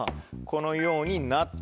このようになってると。